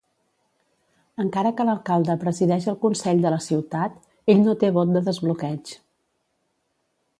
Encara que l'alcalde presideix el consell de la ciutat, ell no té vot de desbloqueig.